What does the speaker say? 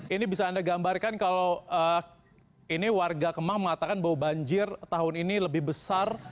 ini bisa anda gambarkan kalau ini warga kemang mengatakan bahwa banjir tahun ini lebih besar